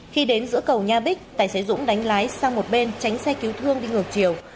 khi đến giữa cầu nha bích tài xế dũng đánh lái sang một bên tránh xe cứu thương đi ngược chiều